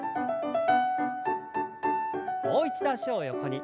もう一度脚を横に。